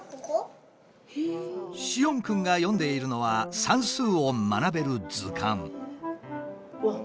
しおんくんが読んでいるのは算数を学べる図鑑。